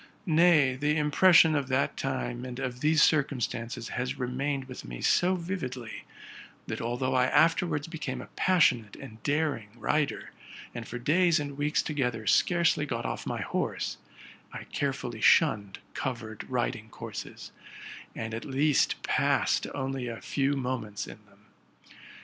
Nay, the impression of that time and of these circumstances has remained with me so vividly, that although I afterwards became a passionate and daring rider, and for days and weeks together scarcely got off my horse, I carefully shunned covered riding courses, and at least passed only a few moments in them.